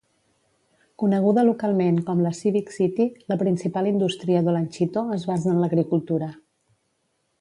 Coneguda localment com la Civic City, la principal indústria d'Olanchito es basa en l'agricultura.